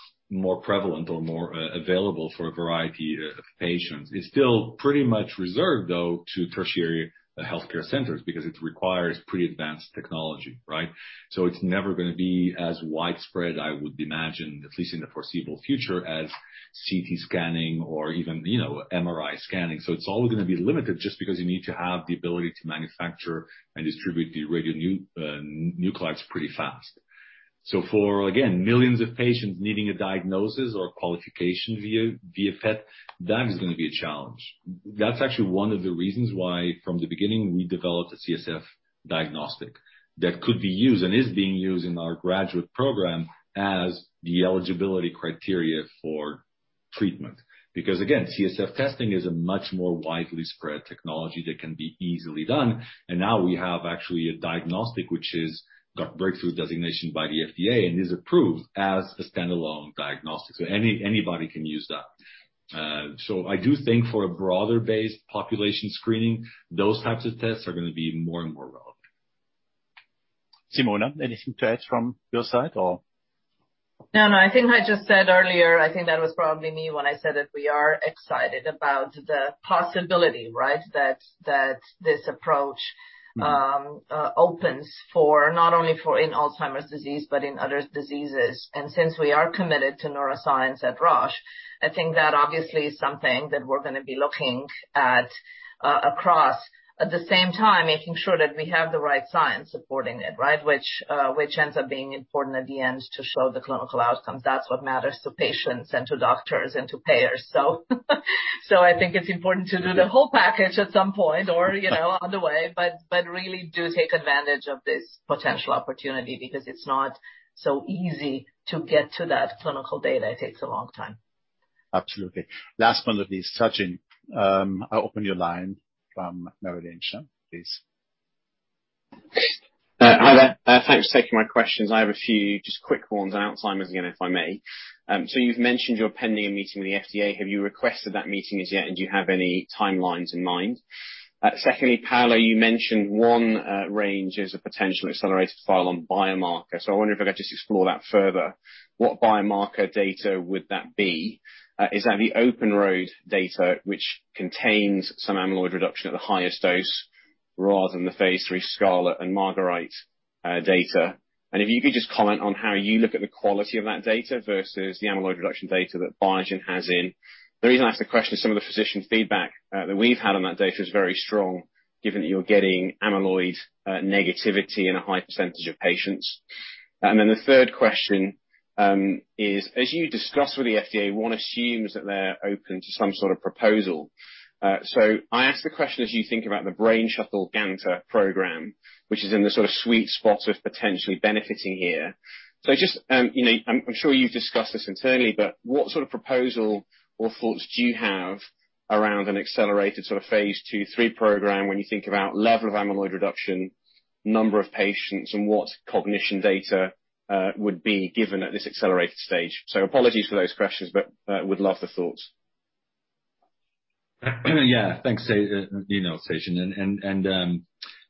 prevalent or more available for a variety of patients, it's still pretty much reserved, though, to tertiary healthcare centers because it requires pretty advanced technology, right. It's never going to be as widespread, I would imagine, at least in the foreseeable future, as CT scanning or even MRI scanning. It's always going to be limited just because you need to have the ability to manufacture and distribute the radionucleotides pretty fast. For, again, millions of patients needing a diagnosis or qualification via PET, that is going to be a challenge. That's actually one of the reasons why from the beginning, we developed a CSF diagnostic that could be used and is being used in our GRADUATE program as the eligibility criteria for treatment. Again, CSF testing is a much more widely spread technology that can be easily done. Now we have actually a diagnostic which got breakthrough designation by the FDA and is approved as a standalone diagnostic. Anybody can use that. I do think for a broader-based population screening, those types of tests are going to be more and more relevant. Simona, anything to add from your side or? No, I think I just said earlier, I think that was probably me when I said that we are excited about the possibility, that this approach opens not only for in Alzheimer's disease but in other diseases. Since we are committed to neuroscience at Roche, I think that obviously is something that we're going to be looking at across, at the same time, making sure that we have the right science supporting it. Which ends up being important at the end to show the clinical outcomes. That's what matters to patients and to doctors and to payers. I think it's important to do the whole package at some point or on the way, but really do take advantage of this potential opportunity because it's not so easy to get to that clinical data. It takes a long time. Absolutely. Last one will be Sachin. I open your line from Merrill Lynch. Please. Thanks for taking my questions. I have a few just quick ones on Alzheimer's again, if I may. You've mentioned you're pending a meeting with the FDA. Have you requested that meeting as yet, and do you have any timelines in mind? Secondly, Paulo, you mentioned 1 range as a potential accelerated file on biomarker. I wonder if I could just explore that further. What biomarker data would that be? Is that the Open RoAD data which contains some amyloid reduction at the highest dose rather than the phase III SCarlet RoAD and Marguerite RoAD data? If you could just comment on how you look at the quality of that data versus the amyloid reduction data that Biogen has in. The reason I ask the question, some of the physician feedback that we've had on that data is very strong given that you're getting amyloid negativity in a high percentage of patients. The third question is, as you discuss with the FDA, one assumes that they're open to some sort of proposal. I ask the question, as you think about the Brainshuttle Ganta program, which is in the sort of sweet spot of potentially benefiting here. I'm sure you've discussed this internally, but what sort of proposal or thoughts do you have around an accelerated sort of phase II/III program when you think about level of amyloid reduction, number of patients, and what cognition data would be given at this accelerated stage? Apologies for those questions, but would love the thoughts. Yeah. Thanks, Sachin.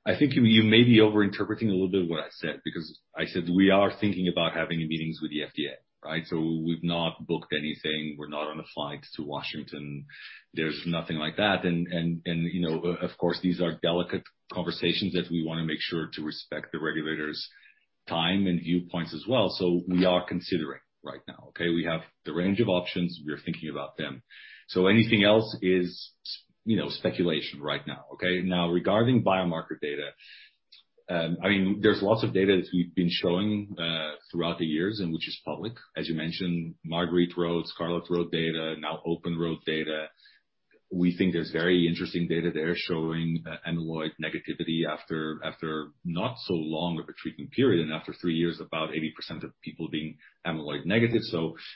I think you may be over-interpreting a little bit of what I said, because I said we are thinking about having meetings with the FDA, right? We've not booked anything, we're not on a flight to Washington. There's nothing like that. Of course, these are delicate conversations that we want to make sure to respect the regulators' time and viewpoints as well. We are considering right now. We have the range of options, we're thinking about them. Anything else is speculation right now. Regarding biomarker data, there's lots of data that we've been showing throughout the years and which is public. As you mentioned, Marguerite RoAD, SCarlet RoAD data, now Open RoAD data. We think there's very interesting data there showing amyloid negativity after not so long of a treatment period and after 3 years, about 80% of people being amyloid negative.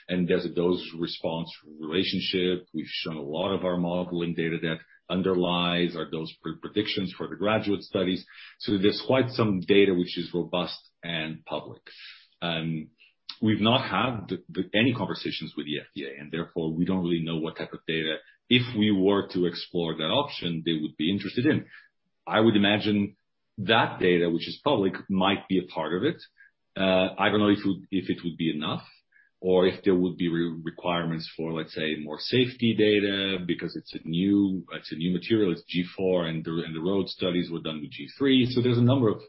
There's a dose-response relationship. We've shown a lot of our modeling data that underlies our dose predictions for the GRADUATE studies. There's quite some data which is robust and public. We've not had any conversations with the FDA, and therefore, we don't really know what type of data, if we were to explore that option, they would be interested in. I would imagine that data, which is public, might be a part of it. I don't know if it would be enough or if there would be requirements for, let's say, more safety data because it's a new material. It's G4, the RoAD studies were done with G3. There's a number of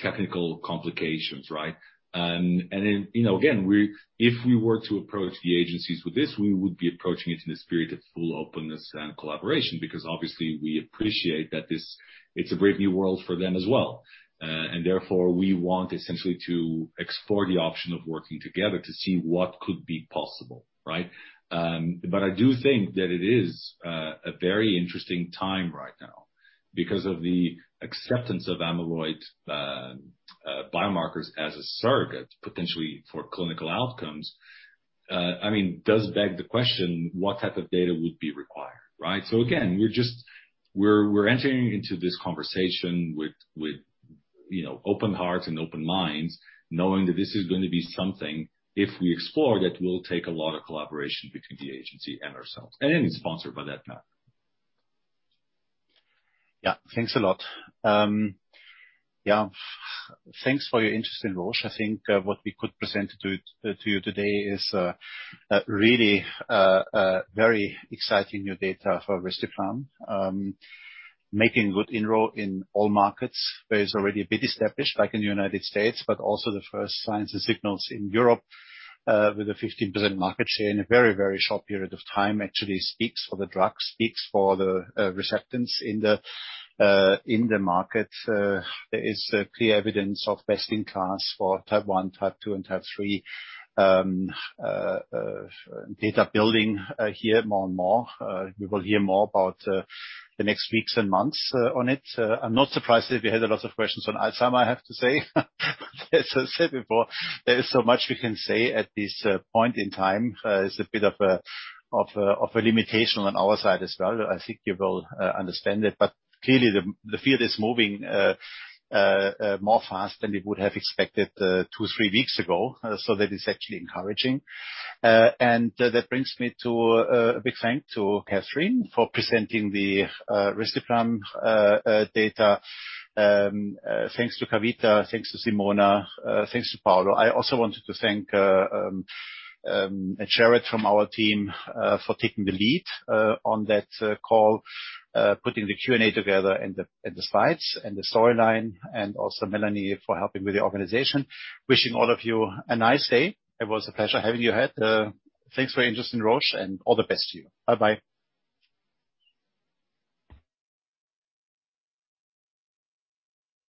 technical complications, right? Again, if we were to approach the agencies with this, we would be approaching it in the spirit of full openness and collaboration, because obviously we appreciate that it's a brand new world for them as well. Therefore, we want essentially to explore the option of working together to see what could be possible, right? I do think that it is a very interesting time right now because of the acceptance of amyloid biomarkers as a surrogate, potentially for clinical outcomes. It does beg the question, what type of data would be required, right? Again, we're entering into this conversation with open hearts and open minds, knowing that this is going to be something, if we explore it will take a lot of collaboration between the agency and ourselves and any sponsor by that matter. Yeah, thanks a lot. Yeah, thanks for your interest in Roche. I think what we could present to you today is really very exciting new data for Evrysdi. Making good enroll in all markets where it's already a bit established, like in the United States, but also the first signs and signals in Europe with a 15% market share in a very short period of time actually speaks for the drug, speaks for the acceptance in the market. There is clear evidence of best in class for type 1, type 2, and type 3 data building here more and more. We will hear more about the next weeks and months on it. I'm not surprised that we had a lot of questions on Alzheimer's, I have to say. As I said before, there is so much we can say at this point in time. It's a bit of a limitation on our side as well. I think you will understand it, but clearly the field is moving more fast than it would have expected 2, 3 weeks ago. That is actually encouraging. That brings me to a big thank to Kathryn Wagner for presenting the risdiplam data. Thanks to Kavita Patel, thanks to Simona, thanks to Paulo Fontoura. I also wanted to thank Jared from our team for taking the lead on that call, putting the Q&A together and the slides and the storyline, and also Melanie for helping with the organization. Wishing all of you a nice day. It was a pleasure having you here. Thanks for your interest in Roche, and all the best to you. Bye-bye.